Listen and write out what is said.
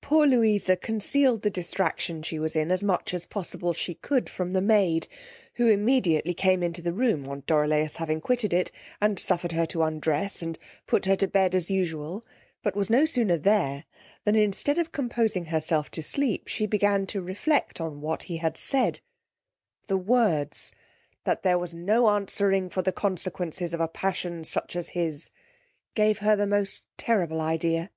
Poor Louisa concealed the distraction she was in as much as possible she could from the maid, who immediately came into the room on Dorilaus having quitted it, and suffered her to undress, and put her to bed as usual; but was no sooner there, than instead of composing herself to sleep, she began to reflect on what he had said: the words, that there was no answering for the consequences of a passion such as his, gave her the most terrible idea.